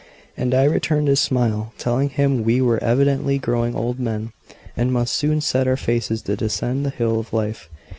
And I returned his smile, telling him we were evidently growing old men; and must soon set our faces to descend the hill of life.